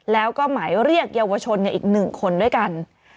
แล้วก็หมายเรียกเยาวชนอีก๑คนด้วยกัน